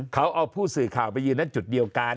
เขาเอาผู้สื่อข่าวไปยืนนั้นจุดเดียวกัน